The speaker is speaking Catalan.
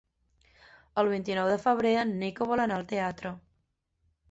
El vint-i-nou de febrer en Nico vol anar al teatre.